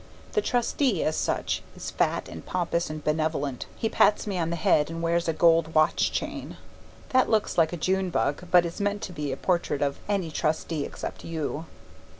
The Trustee, as such, is fat and pompous and benevolent. He pats one on the head and wears a gold watch chain. That looks like a June bug, but is meant to be a portrait of any Trustee except you.